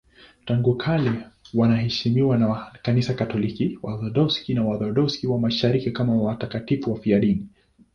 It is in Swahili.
Tangu kale wanaheshimiwa na Kanisa Katoliki, Waorthodoksi na Waorthodoksi wa Mashariki kama watakatifu wafiadini.